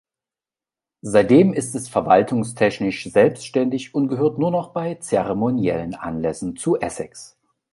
Seitdem ist es verwaltungstechnisch selbständig und gehört nur noch bei zeremoniellen Anlässen zu Essex.